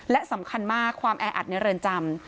และสำคัญมากความแออัดในเรือนจำ